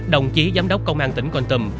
đồng chí giám đốc công an tỉnh con tùm